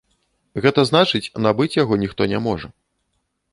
Гэта значыць набыць яго ніхто не можа.